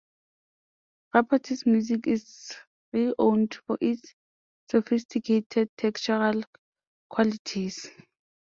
Ripatti's music is renowned for its sophisticated textural qualities.